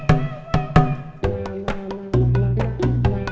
akibat trauma yang dialami karya di rumah